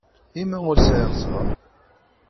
I ma ur sεiɣ ẓẓher?